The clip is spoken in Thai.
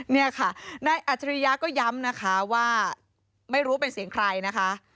นี่ค่ะนายอัจฉริยะก็ย้ำนะคะว่าไม่รู้เป็นเสียงใครนะคะ